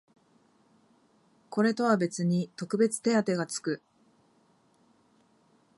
これとは別に特別手当てがつく